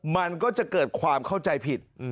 มันก็จะเกิดความเข้าใจผิด